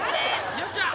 よっちゃん！